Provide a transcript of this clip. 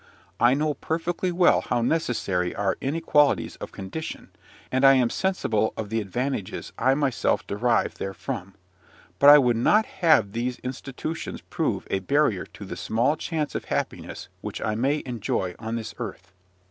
I know perfectly well how necessary are inequalities of condition, and I am sensible of the advantages I myself derive therefrom; but I would not have these institutions prove a barrier to the small chance of happiness which I may enjoy on this earth.